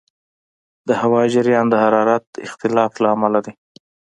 د هوا جریان د حرارت اختلاف له امله دی.